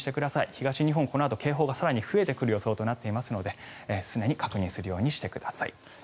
東日本、このあと警報が更に増えてくる予想となっているので常に確認するようにしてください。